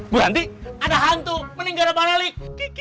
gua henti ada hantu meninggal di banelik